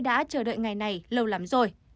đã chờ đợi ngày này lâu lắm rồi